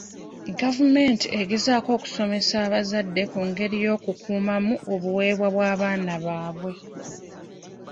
Gavumenti egezaako okusomesa abazadde ku ngeri y'okukuumamu obuweebwa bw'abaana baabwe.